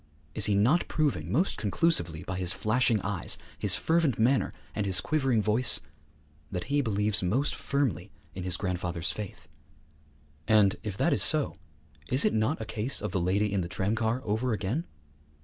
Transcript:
Is he not proving most conclusively by his flashing eyes, his fervent manner, and his quivering voice that he believes most firmly in his grandfather's faith? And, if that is so, is it not a case of the lady in the tramcar over again?